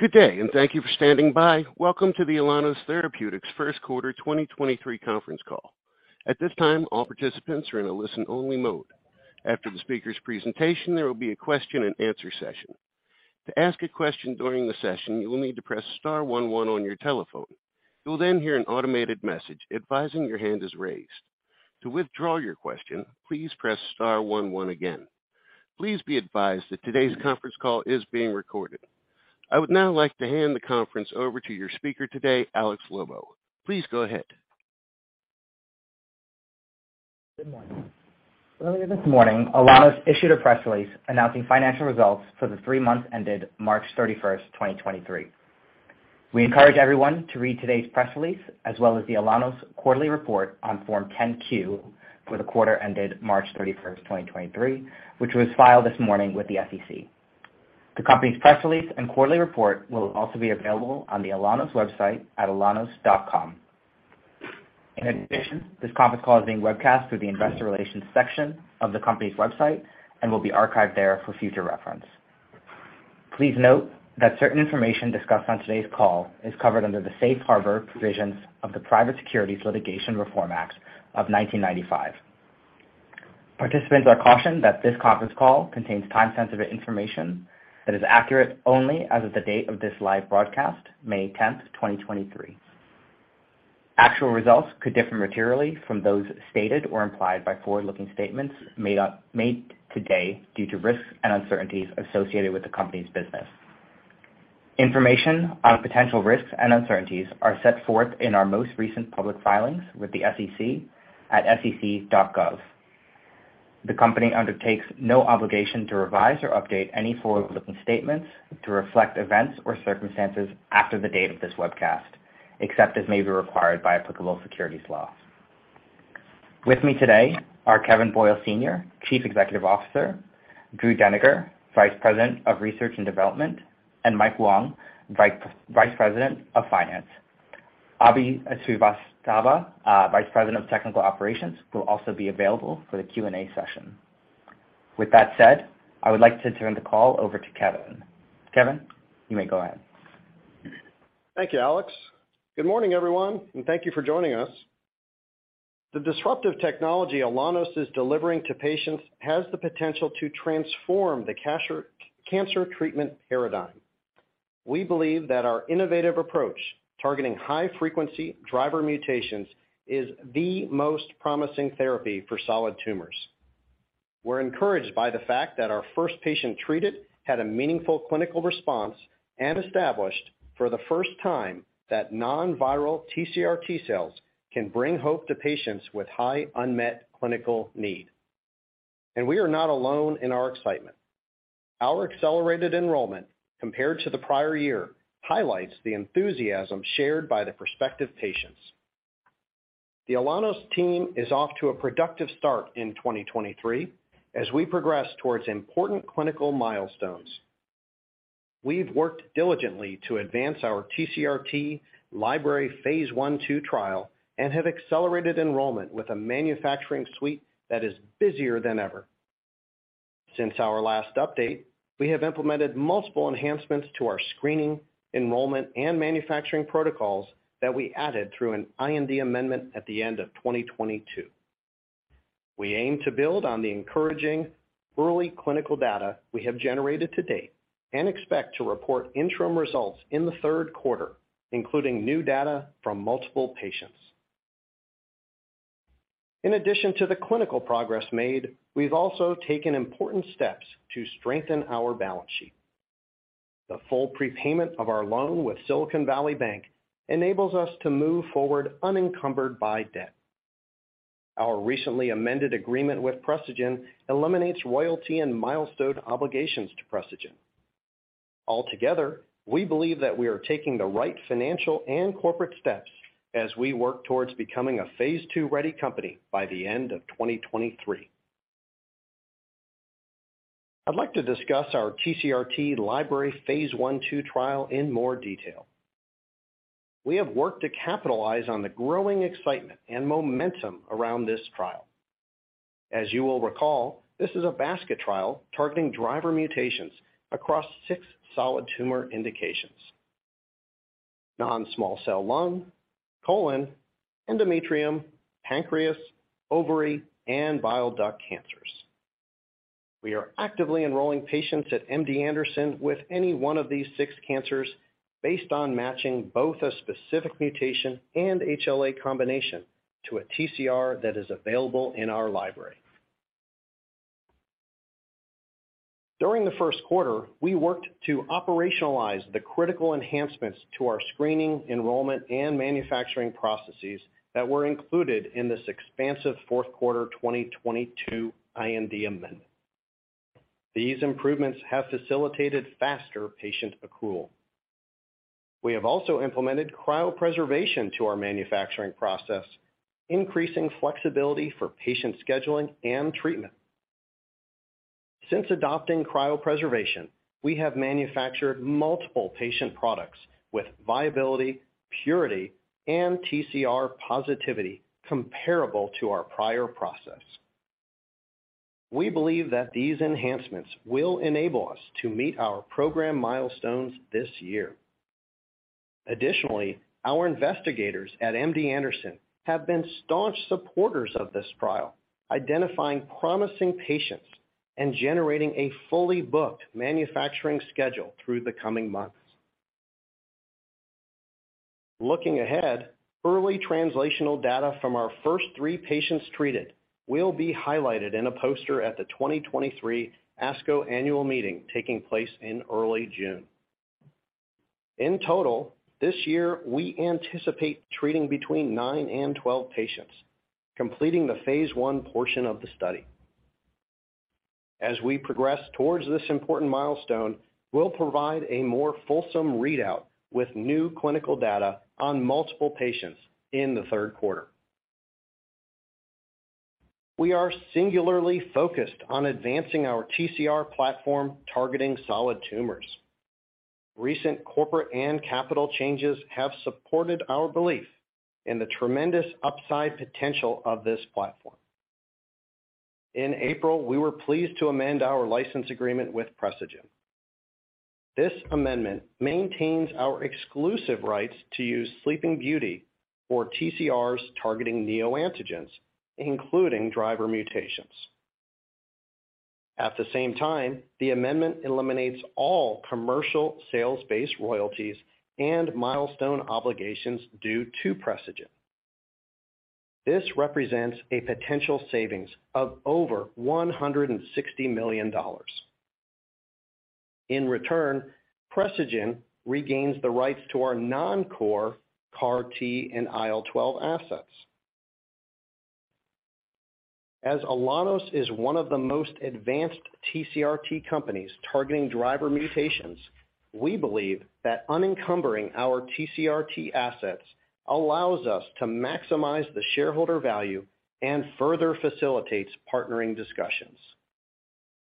Good day. Thank you for standing by. Welcome to the Alaunos Therapeutics First Quarter 2023 Conference Call. At this time, all participants are in a listen only mode. After the speaker's presentation, there will be a question and answer session. To ask a question during the session, you will need to press star one one on your telephone. You'll hear an automated message advising your hand is raised. To withdraw your question, please press star one one again. Please be advised that today's conference call is being recorded. I would now like to hand the conference over to your speaker today, Alex Lobo. Please go ahead. Good morning. Earlier this morning, Alaunos issued a press release announcing financial results for the 3 months ended March 31st, 2023. We encourage everyone to read today's press release, as well as the Alaunos quarterly report on Form 10-Q for the quarter ended March 31st, 2023, which was filed this morning with the SEC. The company's press release and quarterly report will also be available on the Alaunos website at alaunos.com. This conference call is being webcast through the investor relations section of the company's website and will be archived there for future reference. Please note that certain information discussed on today's call is covered under the safe harbor provisions of the Private Securities Litigation Reform Act of 1995. Participants are cautioned that this conference call contains time-sensitive information that is accurate only as of the date of this live broadcast, May 10th, 2023. Actual results could differ materially from those stated or implied by forward-looking statements made today due to risks and uncertainties associated with the company's business. Information on potential risks and uncertainties are set forth in our most recent public filings with the SEC at sec.gov. The company undertakes no obligation to revise or update any forward-looking statements to reflect events or circumstances after the date of this webcast, except as may be required by applicable securities laws. With me today are Kevin Boyle Sr., Chief Executive Officer, Drew Deniger, Vice President of Research & Development, and Mike Wong, Vice President of Finance. Abhi Srivastava, Vice President of Technical Operations, will also be available for the Q&A session. With that said, I would like to turn the call over to Kevin. Kevin, you may go ahead. Thank you, Alex. Good morning, everyone, and thank you for joining us. The disruptive technology Alaunos is delivering to patients has the potential to transform the cancer treatment paradigm. We believe that our innovative approach, targeting high-frequency driver mutations, is the most promising therapy for solid tumors. We're encouraged by the fact that our first patient treated had a meaningful clinical response and established for the first time that non-viral TCRT cells can bring hope to patients with high unmet clinical need. We are not alone in our excitement. Our accelerated enrollment compared to the prior year highlights the enthusiasm shared by the prospective patients. The Alaunos team is off to a productive start in 2023 as we progress towards important clinical milestones. We've worked diligently to advance our TCR-T Library phase I-II trial and have accelerated enrollment with a manufacturing suite that is busier than ever. Since our last update, we have implemented multiple enhancements to our screening, enrollment, and manufacturing protocols that we added through an IND amendment at the end of 2022. We aim to build on the encouraging early clinical data we have generated to date and expect to report interim results in the third quarter, including new data from multiple patients. In addition to the clinical progress made, we've also taken important steps to strengthen our balance sheet. The full prepayment of our loan with Silicon Valley Bank enables us to move forward unencumbered by debt. Our recently amended agreement with Precigen eliminates royalty and milestone obligations to Precigen. Altogether, we believe that we are taking the right financial and corporate steps as we work towards becoming a phase II ready company by the end of 2023. I'd like to discuss our TCR-T Library phase I-II trial in more detail. We have worked to capitalize on the growing excitement and momentum around this trial. As you will recall, this is a basket trial targeting driver mutations across 6 solid tumor indications: non-small cell lung, colon, endometrium, pancreas, ovary, and bile duct cancers. We are actively enrolling patients at MD Anderson with any one of these 6 cancers based on matching both a specific mutation and HLA combination to a TCR that is available in our library. During the 1st quarter, we worked to operationalize the critical enhancements to our screening, enrollment, and manufacturing processes that were included in this expansive fourth quarter 2022 IND amendment. These improvements have facilitated faster patient accrual. We have also implemented cryopreservation to our manufacturing process, increasing flexibility for patient scheduling and treatment. Since adopting cryopreservation, we have manufactured multiple patient products with viability, purity, and TCR positivity comparable to our prior process. We believe that these enhancements will enable us to meet our program milestones this year. Additionally, our investigators at MD Anderson have been staunch supporters of this trial, identifying promising patients and generating a fully booked manufacturing schedule through the coming months. Looking ahead, early translational data from our first 3 patients treated will be highlighted in a poster at the 2023 ASCO annual meeting taking place in early June. In total, this year, we anticipate treating between 9 and 12 patients, completing the phase I portion of the study. As we progress towards this important milestone, we'll provide a more fulsome readout with new clinical data on multiple patients in the third quarter. We are singularly focused on advancing our TCR platform targeting solid tumors. Recent corporate and capital changes have supported our belief in the tremendous upside potential of this platform. In April, we were pleased to amend our license agreement with Precigen. This amendment maintains our exclusive rights to use Sleeping Beauty for TCRs targeting neoantigens, including driver mutations. At the same time, the amendment eliminates all commercial sales-based royalties and milestone obligations due to Precigen. This represents a potential savings of over $160 million. In return, Precigen regains the rights to our non-core CAR T and IL-12 assets. As Alaunos is one of the most advanced TCRT companies targeting driver mutations, we believe that unencumbering our TCRT assets allows us to maximize the shareholder value and further facilitates partnering discussions.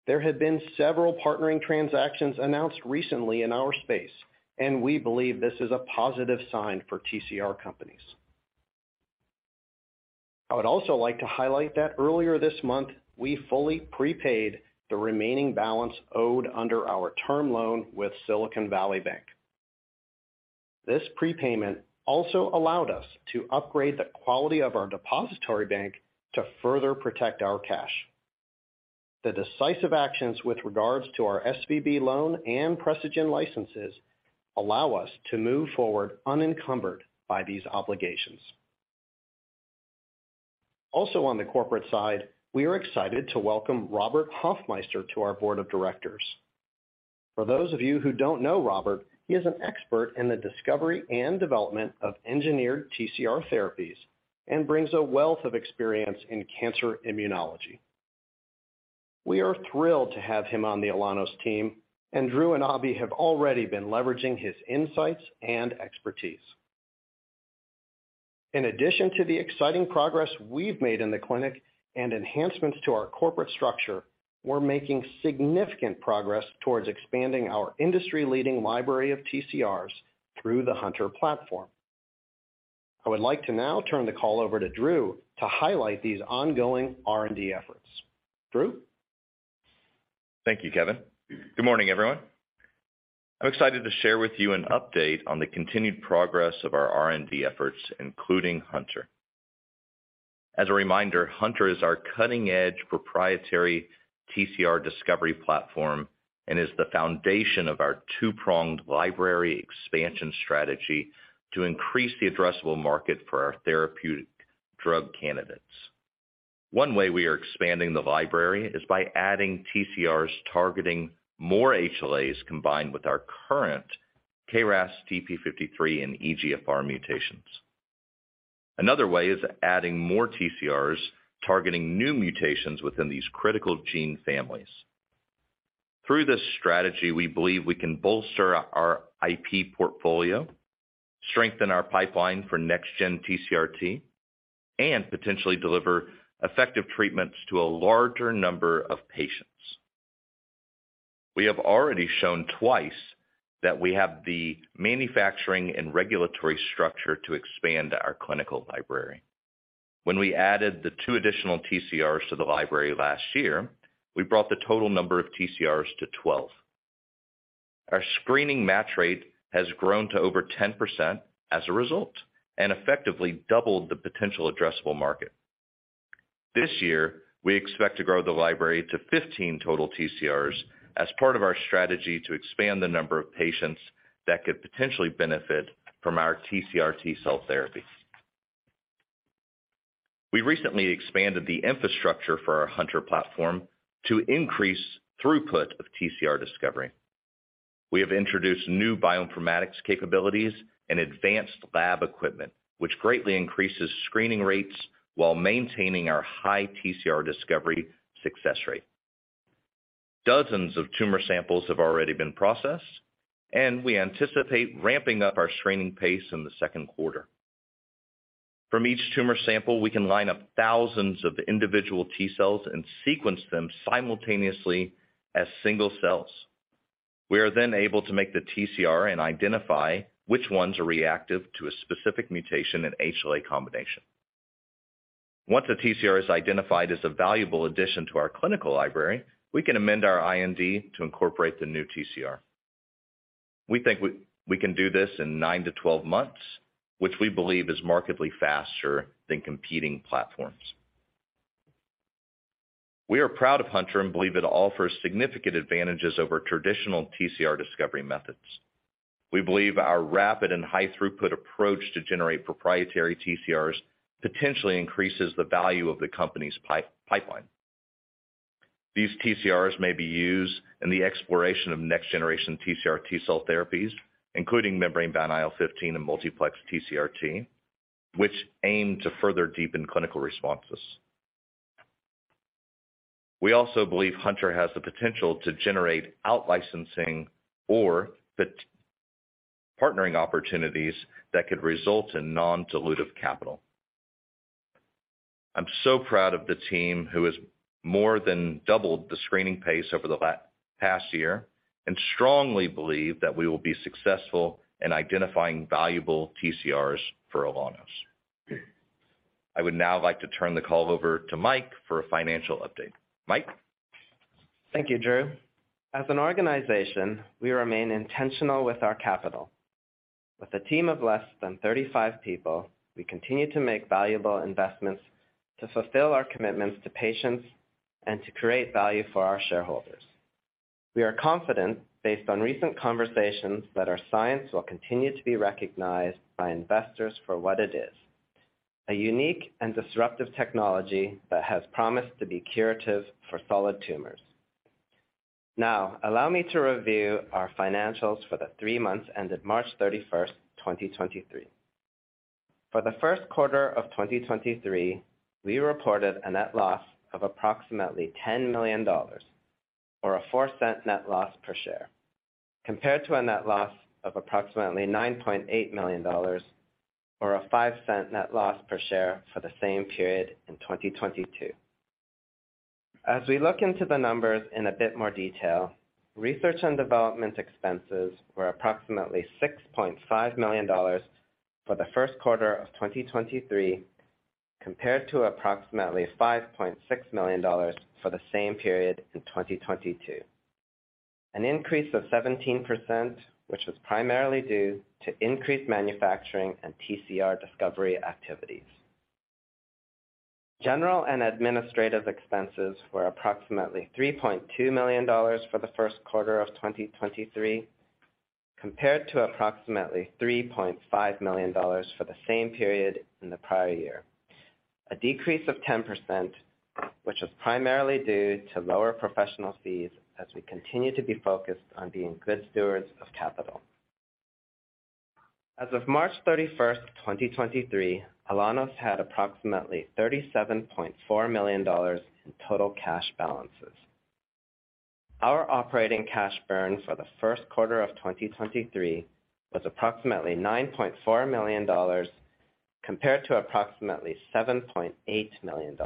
There have been several partnering transactions announced recently in our space, and we believe this is a positive sign for TCR companies. I would also like to highlight that earlier this month, we fully prepaid the remaining balance owed under our term loan with Silicon Valley Bank. This prepayment also allowed us to upgrade the quality of our depository bank to further protect our cash. The decisive actions with regards to our SVB loan and Precigen licenses allow us to move forward unencumbered by these obligations. Also on the corporate side, we are excited to welcome Robert Hofmeister to our board of directors. For those of you who don't know Robert, he is an expert in the discovery and development of engineered TCR therapies and brings a wealth of experience in cancer immunology. We are thrilled to have him on the Alaunos team, and Drew and Abhi have already been leveraging his insights and expertise. In addition to the exciting progress we've made in the clinic and enhancements to our corporate structure, we're making significant progress towards expanding our industry-leading library of TCRs through the hunTR platform. I would like to now turn the call over to Drew to highlight these ongoing R&D efforts. Drew? Thank you, Kevin. Good morning, everyone. I'm excited to share with you an update on the continued progress of our R&D efforts, including hunTR. As a reminder, hunTR is our cutting-edge proprietary TCR discovery platform and is the foundation of our two-pronged library expansion strategy to increase the addressable market for our therapeutic drug candidates. One way we are expanding the library is by adding TCRs targeting more HLAs combined with our current KRAS, TP53, and EGFR mutations. Another way is adding more TCRs targeting new mutations within these critical gene families. Through this strategy, we believe we can bolster our IP portfolio, strengthen our pipeline for next-gen TCRT, and potentially deliver effective treatments to a larger number of patients. We have already shown twice that we have the manufacturing and regulatory structure to expand our clinical library. When we added the two additional TCRs to the library last year, we brought the total number of TCRs to 12. Our screening match rate has grown to over 10% as a result and effectively doubled the potential addressable market. This year, we expect to grow the library to 15 total TCRs as part of our strategy to expand the number of patients that could potentially benefit from our TCR-T cell therapy. We recently expanded the infrastructure for our hunTR platform to increase throughput of TCR discovery. We have introduced new bioinformatics capabilities and advanced lab equipment, which greatly increases screening rates while maintaining our high TCR discovery success rate. Dozens of tumor samples have already been processed, we anticipate ramping up our screening pace in the second quarter. From each tumor sample, we can line up thousands of individual T cells and sequence them simultaneously as single cells. We are able to make the TCR and identify which ones are reactive to a specific mutation in HLA combination. Once a TCR is identified as a valuable addition to our clinical library, we can amend our IND to incorporate the new TCR. We think we can do this in 9-12 months, which we believe is markedly faster than competing platforms. We are proud of hunTR and believe it offers significant advantages over traditional TCR discovery methods. We believe our rapid and high throughput approach to generate proprietary TCRs potentially increases the value of the company's pipeline. These TCRs may be used in the exploration of next generation TCR-T cell therapies, including membrane-bound IL-15 and multiplex TCR-T, which aim to further deepen clinical responses. We also believe hunTR has the potential to generate out-licensing or the partnering opportunities that could result in non-dilutive capital. I'm so proud of the team who has more than doubled the screening pace over the past year. Strongly believe that we will be successful in identifying valuable TCRs for Alaunos. I would now like to turn the call over to Mike for a financial update. Mike. Thank you, Drew. As an organization, we remain intentional with our capital. With a team of less than 35 people, we continue to make valuable investments to fulfill our commitments to patients and to create value for our shareholders. We are confident, based on recent conversations, that our science will continue to be recognized by investors for what it is, a unique and disruptive technology that has promised to be curative for solid tumors. Allow me to review our financials for the 3 months ended March 31st, 2023. For the first quarter of 2023, we reported a net loss of approximately $10 million or a $0.04 net loss per share, compared to a net loss of approximately $9.8 million or a $0.05 net loss per share for the same period in 2022. As we look into the numbers in a bit more detail, research and development expenses were approximately $6.5 million for the first quarter of 2023, compared to approximately $5.6 million for the same period in 2022. An increase of 17%, which was primarily due to increased manufacturing and TCR discovery activities. General and administrative expenses were approximately $3.2 million for the first quarter of 2023, compared to approximately $3.5 million for the same period in the prior year. A decrease of 10%, which was primarily due to lower professional fees as we continue to be focused on being good stewards of capital. As of March 31st, 2023, Alaunos had approximately $37.4 million in total cash balances. Our operating cash burn for the first quarter of 2023 was approximately $9.4 million, compared to approximately $7.8 million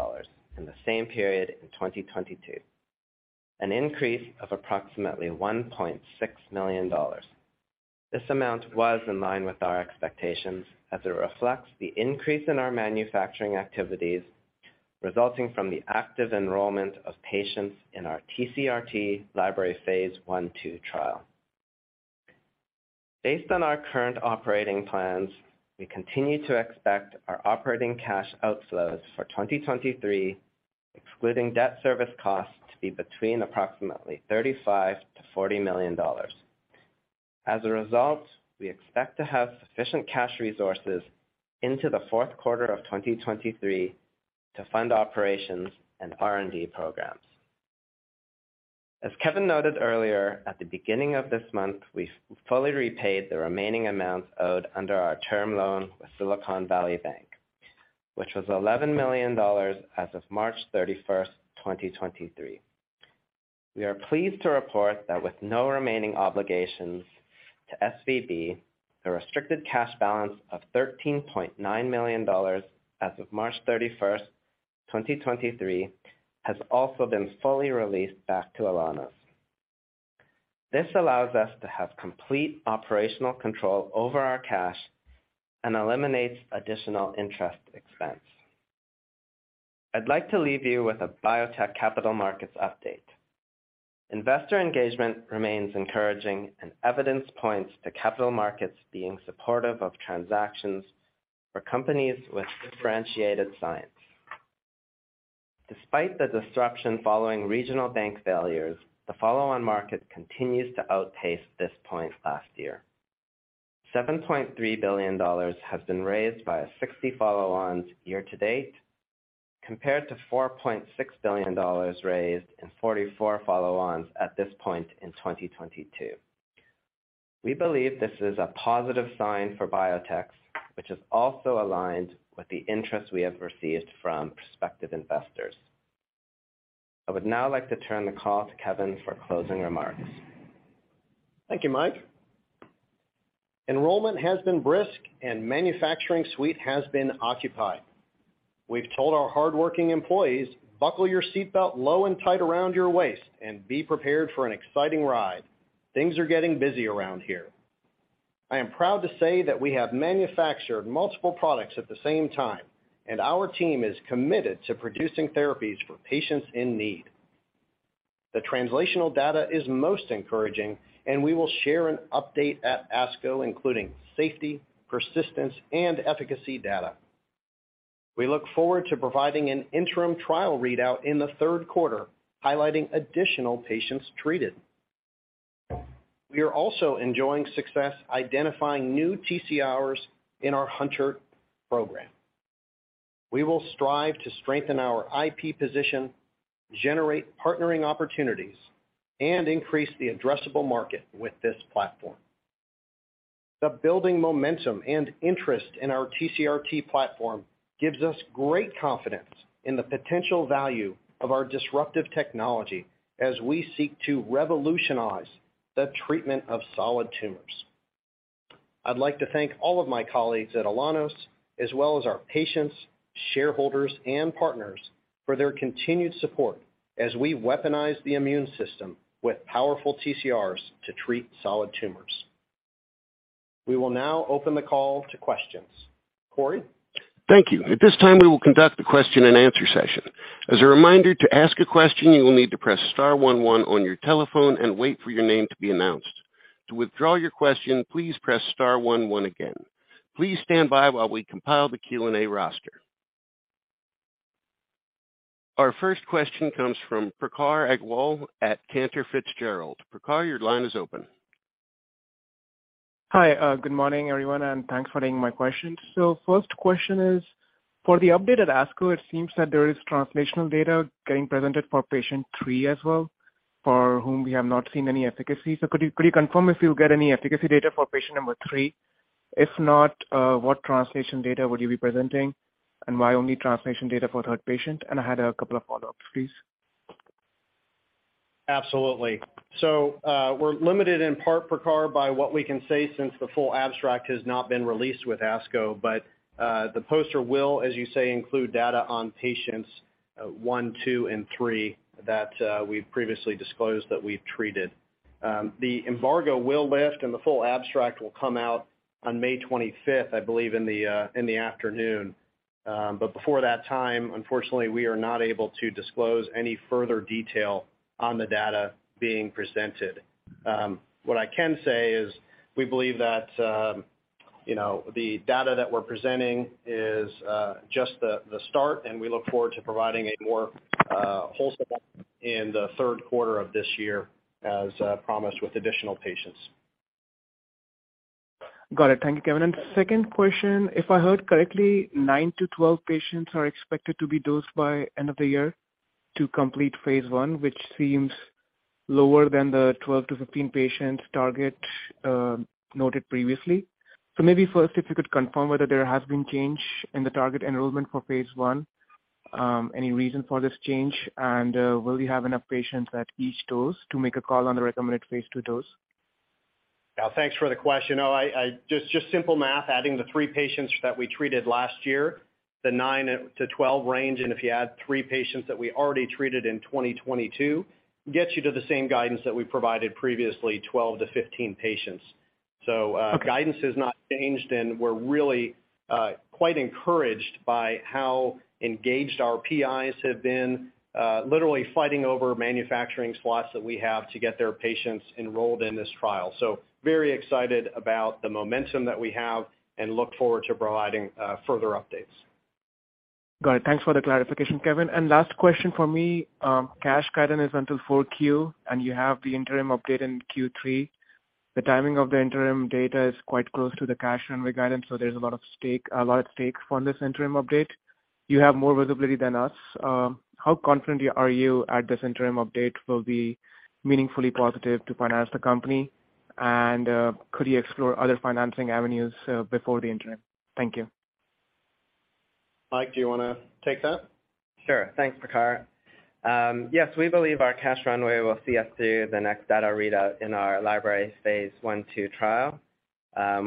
in the same period in 2022, an increase of approximately $1.6 million. This amount was in line with our expectations as it reflects the increase in our manufacturing activities resulting from the active enrollment of patients in our TCR-T Library phase I-II trial. Based on our current operating plans, we continue to expect our operating cash outflows for 2023, excluding debt service costs, to be between approximately $35 million-$40 million. As a result, we expect to have sufficient cash resources into the fourth quarter of 2023 to fund operations and R&D programs. As Kevin noted earlier, at the beginning of this month, we fully repaid the remaining amounts owed under our term loan with Silicon Valley Bank, which was $11 million as of March 31st, 2023. We are pleased to report that with no remaining obligations to SVB, the restricted cash balance of $13.9 million as of March 31st, 2023, has also been fully released back to Alaunos. This allows us to have complete operational control over our cash and eliminates additional interest expense. I'd like to leave you with a biotech capital markets update. Investor engagement remains encouraging, evidence points to capital markets being supportive of transactions for companies with differentiated science. Despite the disruption following regional bank failures, the follow-on market continues to outpace this point last year. $7.3 billion has been raised by 60 follow-ons year to date, compared to $4.6 billion raised in 44 follow-ons at this point in 2022. We believe this is a positive sign for biotechs, which is also aligned with the interest we have received from prospective investors. I would now like to turn the call to Kevin for closing remarks. Thank you, Mike. Enrollment has been brisk and manufacturing suite has been occupied. We've told our hardworking employees, "Buckle your seatbelt low and tight around your waist and be prepared for an exciting ride. Things are getting busy around here." I am proud to say that we have manufactured multiple products at the same time, and our team is committed to producing therapies for patients in need. The translational data is most encouraging, and we will share an update at ASCO, including safety, persistence, and efficacy data. We look forward to providing an interim trial readout in the third quarter, highlighting additional patients treated. We are also enjoying success identifying new TCRs in our hunTR program. We will strive to strengthen our IP position, generate partnering opportunities, and increase the addressable market with this platform. The building momentum and interest in our TCRT platform gives us great confidence in the potential value of our disruptive technology as we seek to revolutionize the treatment of solid tumors. I'd like to thank all of my colleagues at Alaunos, as well as our patients, shareholders, and partners for their continued support as we weaponize the immune system with powerful TCRs to treat solid tumors. We will now open the call to questions. Corey? Thank you. At this time, we will conduct a question-and-answer session. As a reminder, to ask a question, you will need to press star one one on your telephone and wait for your name to be announced. To withdraw your question, please press star one one again. Please stand by while we compile the Q&A roster. Our first question comes from Prakhar Agrawal at Cantor Fitzgerald. Prakhar, your line is open. Hi, good morning, everyone, and thanks for taking my question. First question is, for the update at ASCO, it seems that there is translational data getting presented for patient three as well, for whom we have not seen any efficacy. Could you confirm if you'll get any efficacy data for patient number three? If not, what translation data would you be presenting? Why only translation data for third patient? I had a couple of follow-ups, please. Absolutely. We're limited in part, Prakhar, by what we can say since the full abstract has not been released with ASCO. The poster will, as you say, include data on patients, 1, 2, and 3 that we've previously disclosed that we've treated. The embargo will lift, and the full abstract will come out on May 25th, I believe in the afternoon. Before that time, unfortunately, we are not able to disclose any further detail on the data being presented. What I can say is we believe that, you know, the data that we're presenting is just the start, and we look forward to providing a more wholesome one in the third quarter of this year as promised with additional patients. Got it. Thank you, Kevin. Second question, if I heard correctly, 9-12 patients are expected to be dosed by end of the year to complete phase I, which seems lower than the 12-15 patients target, noted previously. Maybe first, if you could confirm whether there has been change in the target enrollment for phase I, any reason for this change? Will you have enough patients at each dose to make a call on the recommended phase II dose? Yeah, thanks for the question. No, I just simple math, adding the 3 patients that we treated last year, the 9-12 range, and if you add 3 patients that we already treated in 2022, gets you to the same guidance that we provided previously, 12-15 patients. Okay. Guidance has not changed, and we're really quite encouraged by how engaged our PIs have been, literally fighting over manufacturing slots that we have to get their patients enrolled in this trial. Very excited about the momentum that we have and look forward to providing further updates. Got it. Thanks for the clarification, Kevin. Last question for me. Cash guidance is until 4Q, and you have the interim update in Q3. The timing of the interim data is quite close to the cash runway guidance, so there's a lot at stake from this interim update. You have more visibility than us. How confident are you that this interim update will be meaningfully positive to finance the company? Could you explore other financing avenues before the interim? Thank you. Mike, do you wanna take that? Sure. Thanks, Prakar. Yes, we believe our cash runway will see us through the next data readout in our Library phase I-II trial,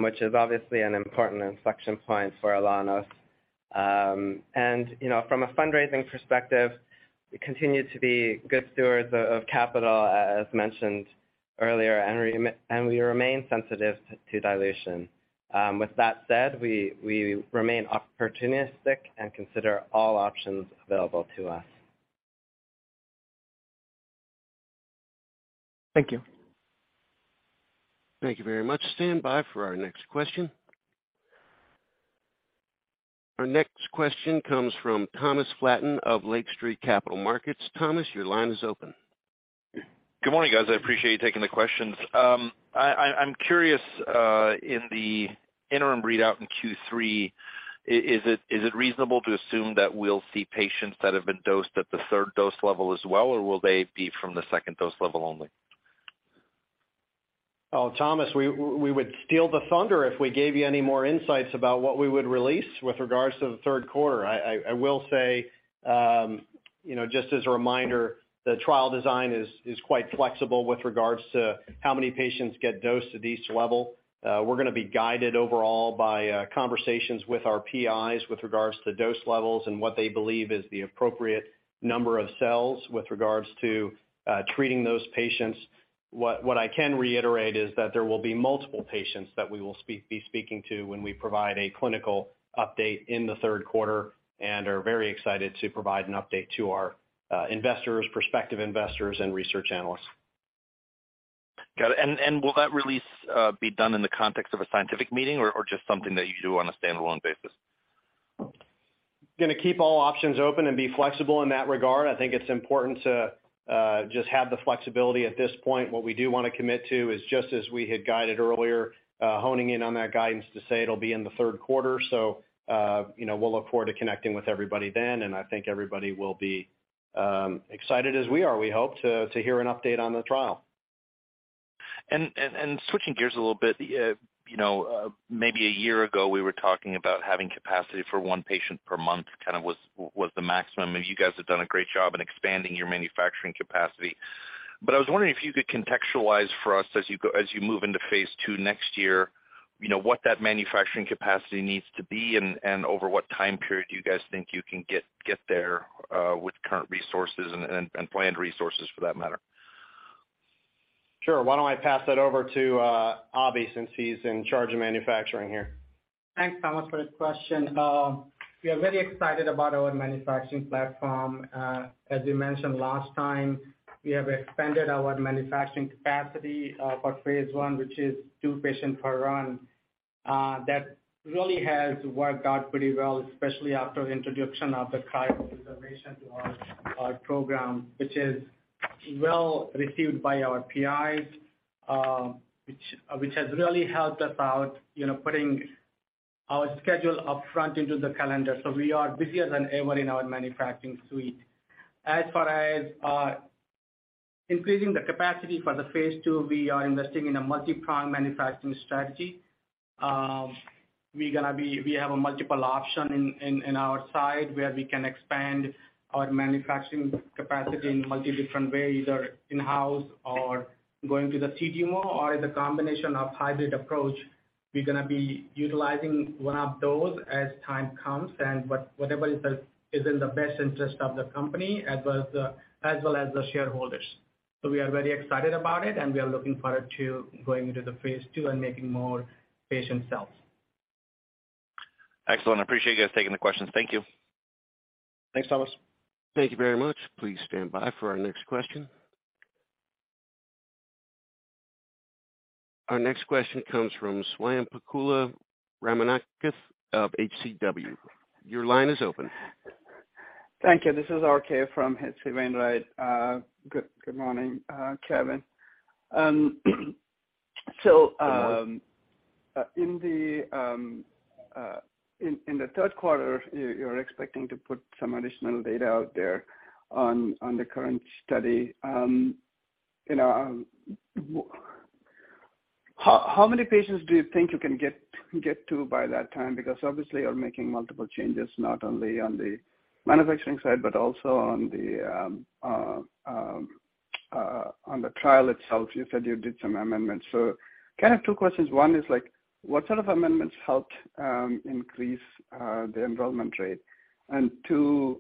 which is obviously an important inflection point for Alaunos. You know, from a fundraising perspective, we continue to be good stewards of capital, as mentioned earlier, and we remain sensitive to dilution. With that said, we remain opportunistic and consider all options available to us. Thank you. Thank you very much. Stand by for our next question. Our next question comes from Thomas Flaten of Lake Street Capital Markets. Thomas, your line is open. Good morning, guys. I appreciate you taking the questions. I'm curious, in the interim readout in Q3, is it reasonable to assume that we'll see patients that have been dosed at the third dose level as well, or will they be from the second dose level only? Thomas, we would steal the thunder if we gave you any more insights about what we would release with regards to the third quarter. I will say, you know, just as a reminder, the trial design is quite flexible with regards to how many patients get dosed at each level. We're gonna be guided overall by conversations with our PIs with regards to dose levels and what they believe is the appropriate number of cells with regards to treating those patients. What I can reiterate is that there will be multiple patients that we will be speaking to when we provide a clinical update in the third quarter and are very excited to provide an update to our investors, prospective investors, and research analysts. Got it. Will that release be done in the context of a scientific meeting or just something that you do on a standalone basis? Gonna keep all options open and be flexible in that regard. I think it's important to just have the flexibility at this point. What we do wanna commit to is just as we had guided earlier, honing in on that guidance to say it'll be in the third quarter. You know, we'll look forward to connecting with everybody then, and I think everybody will be excited as we are. We hope to hear an update on the trial. Switching gears a little bit, you know, maybe a year ago, we were talking about having capacity for one patient per month, kind of was the maximum. You guys have done a great job in expanding your manufacturing capacity. I was wondering if you could contextualize for us as you move into phase II next year, you know, what that manufacturing capacity needs to be and over what time period do you guys think you can get there with current resources and planned resources for that matter? Sure. Why don't I pass that over to Abhi since he's in charge of manufacturing here? Thanks, Thomas, for the question. We are very excited about our manufacturing platform. As you mentioned last time, we have expanded our manufacturing capacity for phase I, which is 2 patient per run. That really has worked out pretty well, especially after introduction of the cryopreservation to our program, which is well received by our PIs, which has really helped us out, you know, putting our schedule upfront into the calendar. We are busier than ever in our manufacturing suite. As far as increasing the capacity for the phase II, we are investing in a multi-prong manufacturing strategy. We have a multiple option in our side where we can expand our manufacturing capacity in multi different ways, either in-house or going to the CDMO or the combination of hybrid approach. We're gonna be utilizing one of those as time comes and whatever is in the best interest of the company as well as the shareholders. We are very excited about it, and we are looking forward to going into the phase II and making more patient cells. Excellent. I appreciate you guys taking the questions. Thank you. Thanks, Thomas. Thank you very much. Please stand by for our next question. Our next question comes from Swayampakula Ramakanth of HCW. Your line is open. Thank you. This is RK from H.C. Wainwright. Good morning, Kevin. In the third quarter, you're expecting to put some additional data out there on the current study. You know, how many patients do you think you can get to by that time? Because obviously you're making multiple changes, not only on the manufacturing side, but also on the trial itself. You said you did some amendments. Kind of two questions. One is like, what sort of amendments helped increase the enrollment rate? Two,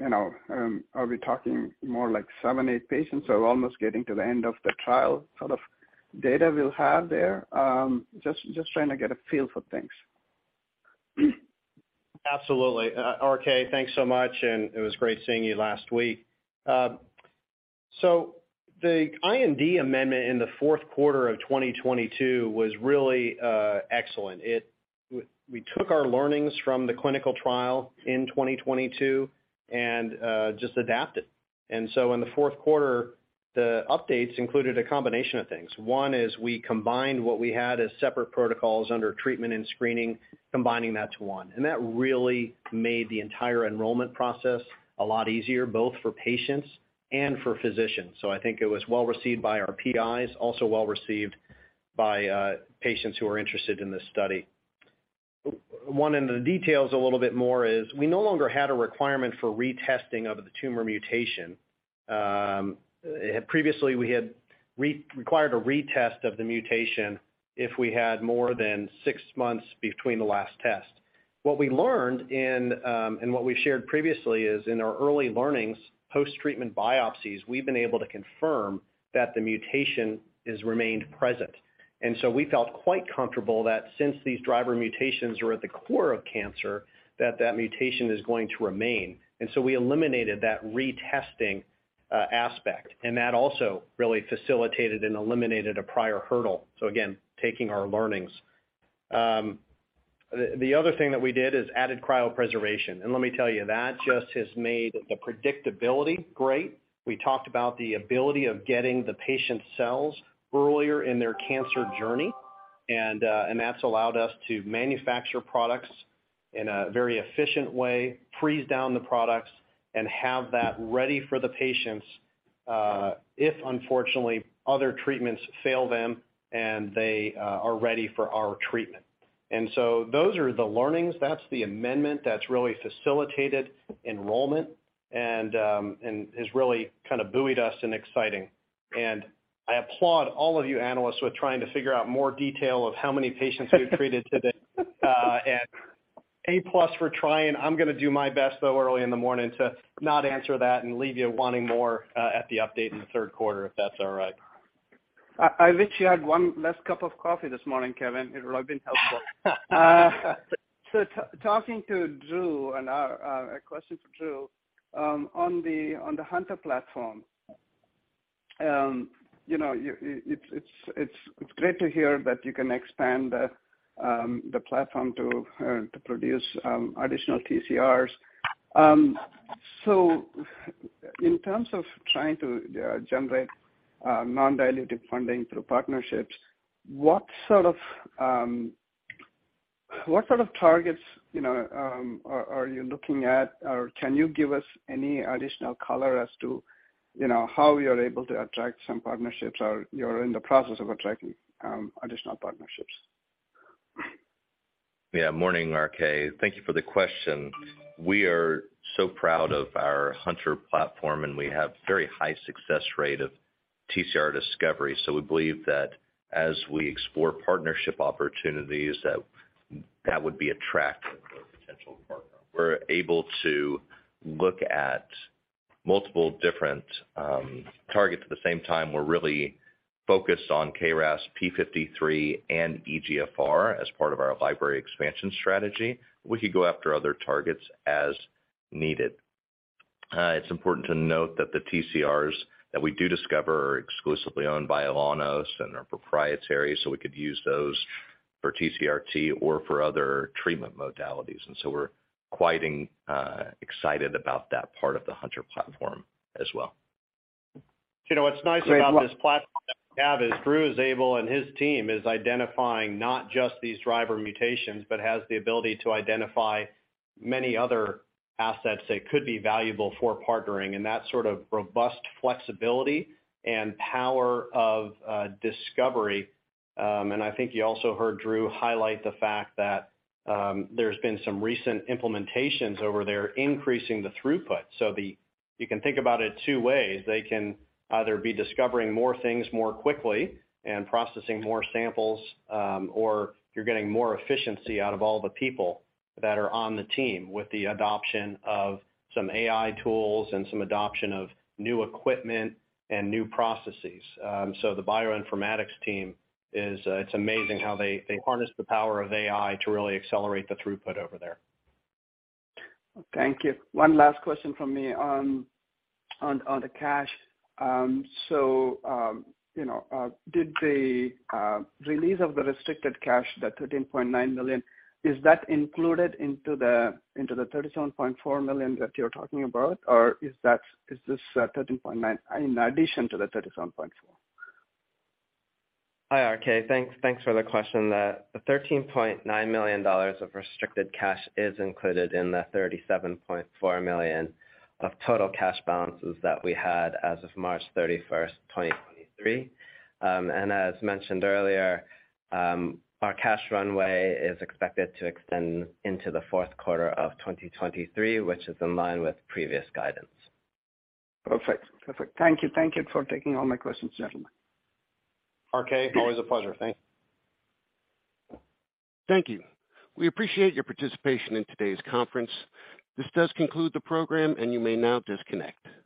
you know, are we talking more like 7, 8 patients or almost getting to the end of the trial sort of data we'll have there? Just trying to get a feel for things. Absolutely. RK, thanks so much. It was great seeing you last week. The IND amendment in the fourth quarter of 2022 was really excellent. We took our learnings from the clinical trial in 2022 and just adapted. In the fourth quarter, the updates included a combination of things. One is we combined what we had as separate protocols under treatment and screening, combining that to one. That really made the entire enrollment process a lot easier, both for patients and for physicians. I think it was well received by our PIs, also well received by patients who are interested in this study. One in the details a little bit more is we no longer had a requirement for retesting of the tumor mutation. Previously, we had required a retest of the mutation if we had more than six months between the last test. What we learned and what we've shared previously is in our early learnings, post-treatment biopsies, we've been able to confirm that the mutation has remained present. We felt quite comfortable that since these driver mutations are at the core of cancer, that that mutation is going to remain. We eliminated that retesting aspect, and that also really facilitated and eliminated a prior hurdle. Again, taking our learnings. The other thing that we did is added cryopreservation. Let me tell you, that just has made the predictability great. We talked about the ability of getting the patient's cells earlier in their cancer journey, and that's allowed us to manufacture product in a very efficient way, freeze down the products and have that ready for the patients, if unfortunately other treatments fail them and they are ready for our treatment. Those are the learnings. That's the amendment that's really facilitated enrollment and has really kind of buoyed us and exciting. I applaud all of you analysts with trying to figure out more detail of how many patients we've treated to date. A+ for trying. I'm gonna do my best, though, early in the morning to not answer that and leave you wanting more at the update in the third quarter, if that's all right. I wish you had one less cup of coffee this morning, Kevin. It would have been helpful. Talking to Drew and a question for Drew, on the hunTR platform, you know, it's great to hear that you can expand the platform to produce additional TCRs. In terms of trying to generate non-dilutive funding through partnerships, what sort of targets, you know, are you looking at? Or can you give us any additional color as to, you know, how you're able to attract some partnerships or you're in the process of attracting additional partnerships? Morning, RK. Thank you for the question. We are so proud of our hunTR platform, and we have very high success rate of TCR discovery. We believe that as we explore partnership opportunities, that would be attractive to a potential partner. We're able to look at multiple different targets at the same time. We're really focused on KRAS, P53, and EGFR as part of our library expansion strategy. We could go after other targets as needed. It's important to note that the TCRs that we do discover are exclusively owned by Alaunos and are proprietary, so we could use those for TCRT or for other treatment modalities. We're quite excited about that part of the hunTR platform as well. You know, what's nice about this platform that we have is Drew is able, and his team, is identifying not just these driver mutations, but has the ability to identify many other assets that could be valuable for partnering. That sort of robust flexibility and power of discovery, and I think you also heard Drew highlight the fact that there's been some recent implementations over there increasing the throughput. You can think about it two ways. They can either be discovering more things more quickly and processing more samples, or you're getting more efficiency out of all the people that are on the team with the adoption of some AI tools and some adoption of new equipment and new processes. The bioinformatics team is, it's amazing how they harness the power of AI to really accelerate the throughput over there. Thank you. One last question from me on the cash. You know, did the release of the restricted cash, the $13.9 million, is that included into the $37.4 million that you're talking about? Or is this $13.9 million in addition to the $37.4 million? Hi, RK. Thanks for the question. The $13.9 million of restricted cash is included in the $37.4 million of total cash balances that we had as of March 31st, 2023. As mentioned earlier, our cash runway is expected to extend into the fourth quarter of 2023, which is in line with previous guidance. Perfect. Thank you. Thank you for taking all my questions, gentlemen. RK, always a pleasure. Thanks. Thank you. We appreciate your participation in today's conference. This does conclude the program, and you may now disconnect.